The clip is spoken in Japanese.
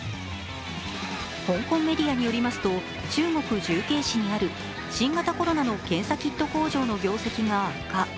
香港メディアによりますと中国重慶市にある新型コロナの検査キット工場の業績が悪化。